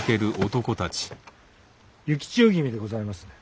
幸千代君でございますね？